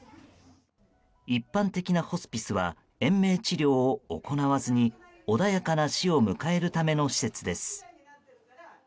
一般的なホスピスは延命治療を行わずに穏やかな死を迎えるための施設です。